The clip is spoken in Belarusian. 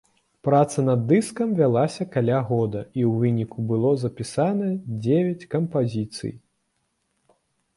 Праца над дыскам вялася каля года, і ў выніку было запісана дзевяць кампазіцый.